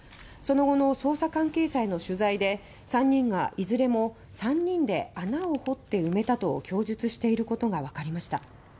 その後の捜査関係者への取材で３人がいずれも「３人で穴を掘って埋めた」と供述していることが分かりました。